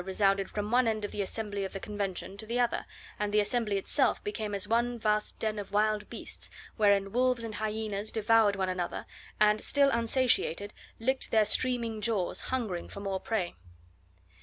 resounded from one end of the Assembly of the Convention to the other, and the Assembly itself became as one vast den of wild beasts wherein wolves and hyenas devoured one another and, still unsatiated, licked their streaming jaws hungering for more prey.